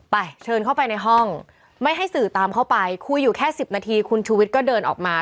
ไปเชิญเข้าไปในห้องไม่ให้สื่อตามเข้าไปคุยอยู่แค่สิบนาทีคุณชูวิทย์ก็เดินออกมา